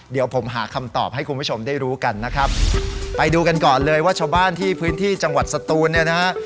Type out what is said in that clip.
เดี๋ยวผมหาคำตอบให้คุณผู้ชมได้รู้กันนะครับไปดูกันก่อนเลยว่าชาวบ้านที่พื้นที่จังหวัดสตูนเนี่ยนะฮะ